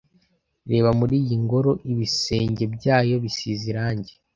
reba muri iyi ngoro ibisenge byayo bisize irangi